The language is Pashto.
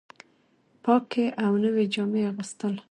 پاکې او نوې جامې اغوستل